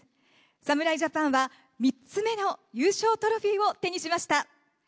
侍ジャパンは、３つ目の優勝トロフィーを手にしました。